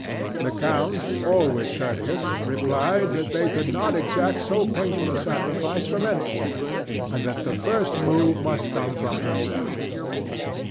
The count, always courteous, replied that they could not exact so painful a sacrifice from any woman, and that the first move must come from herself.